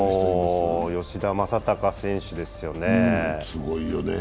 吉田正尚選手ですよね。